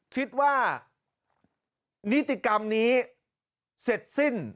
คิดว่านิติกรรมนี้เสร็จสิ้น